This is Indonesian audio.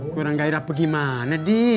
kurang gairah apa gimana di